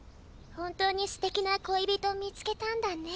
本当にすてきな恋人見つけたんだね。